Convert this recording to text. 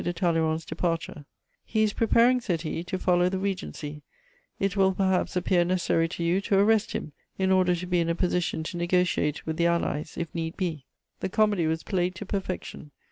de Talleyrand's departure: "He is preparing," said he, "to follow the Regency; it will perhaps appear necessary to you to arrest him, in order to be in a position to negociate with the Allies if need be." The comedy was played to perfection.